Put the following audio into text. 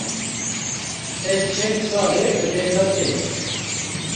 Ev çend sal e li benda te me.